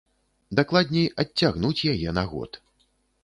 Дакладней, адцягнуць яе на год.